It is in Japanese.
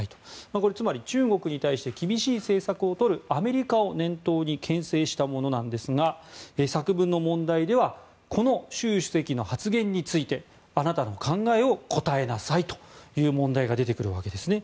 これはつまり中国に対して厳しい政策をとるアメリカを念頭に、牽制したものなんですが作文の問題ではこの習主席の発言についてあなたの考えを答えなさいという問題が出てくるわけですね。